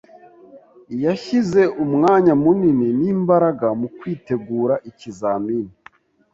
Yashyize umwanya munini n'imbaraga mukwitegura ikizamini.